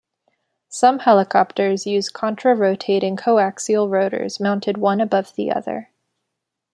Some helicopters use contra-rotating coaxial rotors mounted one above the other.